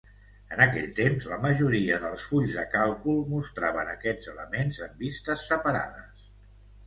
En aquell temps, la majoria dels fulls de càlcul mostraven aquests elements en vistes separades.